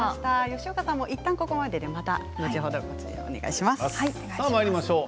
吉岡さんもいったんここまででまた後ほどお願いします。